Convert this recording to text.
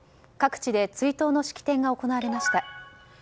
各地で追悼の式典が行われました。